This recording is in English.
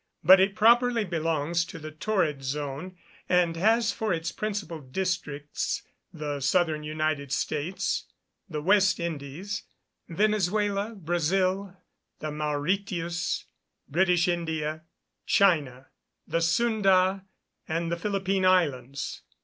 But it properly belongs to the torrid zone, and has for its principal districts, the Southern United States, the West Indies, Venezuela, Brazil, the Mauritius, British India, China, the Sunda and Philippine Islands.